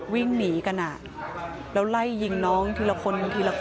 วิ่งหนีกันแล้วไล่ยิงน้องทีละคนทีละคน